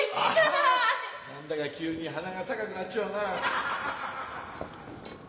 何だか急に鼻が高くなっちまうな